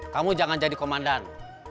kamu jangan jadi komandan